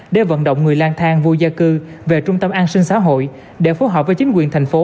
để vận động người lang thang vô gia cư về trung tâm an sinh xã hội để phối hợp với chính quyền thành phố